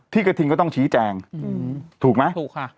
ที่กระทิงก็ต้องชี้แจงถูกไหม